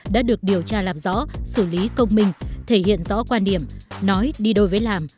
đã được điều tra làm rõ xử lý công minh thể hiện rõ quan điểm nói đi đôi với làm